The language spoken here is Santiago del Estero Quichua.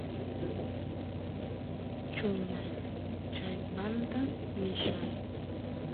chuñay chaymanta millay